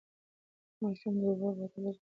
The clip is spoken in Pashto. د ماشوم د اوبو بوتل جلا وساتئ.